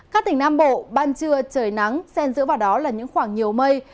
các tỉnh nam bộ ban trưa trời nắng xen giữa vào đó là những khoảng nhiều mây